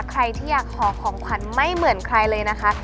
ใครที่อยากขอของขวัญไม่เหมือนใครเลยนะคะ